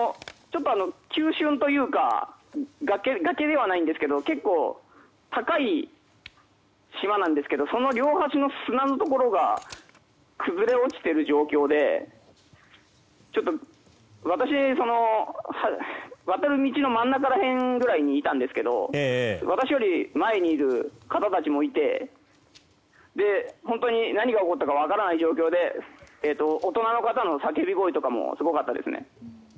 急峻というか崖ではないんですけど高い島なんですけどその両端の砂のところが崩れ落ちている状況で私、渡る道の真ん中らへんにいたんですけど私より前にいる方たちもいて本当に何が起こったか分からない状況で大人の方の叫び声とかもすごかったですね。